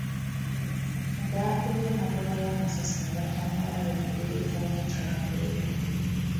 Baakubye emmotoka ye amasasi ne batta muwala we ne ddereeva we enkya ya leero.